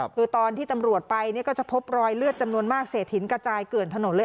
คือตอนที่ตำรวจไปก็จะพบรอยเลือดจำนวนมากเศษหินกระจายเกลื่อนถนนเลย